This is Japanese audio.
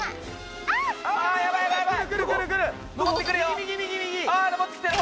右右！あっ上ってきてる！